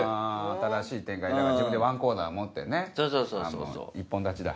あ新しい展開だから自分でワンコーナー持ってね一本立ちだ。